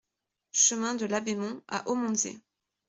Chemin de Labémont à Aumontzey